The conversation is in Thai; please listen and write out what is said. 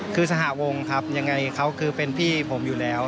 คือสหวงครับยังไงเขาคือเป็นพี่ผมอยู่แล้ว